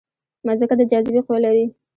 مځکه د جاذبې قوه لري.